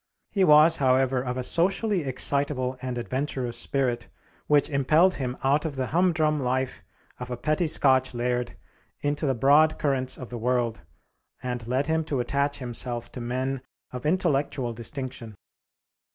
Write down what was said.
He was, however, of a socially excitable and adventurous spirit, which impelled him out of the humdrum life of a petty Scotch laird into the broad currents of the world, and led him to attach himself to men of intellectual distinction.